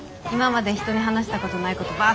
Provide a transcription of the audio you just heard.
今まで人に話したことないこと